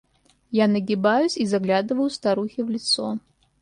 Я нагибаюсь и заглядываю старухе в лицо.